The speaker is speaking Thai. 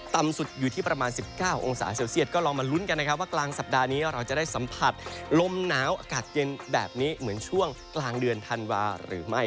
ต่ำสุดอยู่ที่ประมาณ๑๙องศาเซลเซียตก็ลองมาลุ้นกันนะครับว่ากลางสัปดาห์นี้เราจะได้สัมผัสลมหนาวอากาศเย็นแบบนี้เหมือนช่วงกลางเดือนธันวาหรือไม่